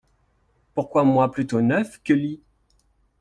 Pourquoi moi plutôt neuf que li ?…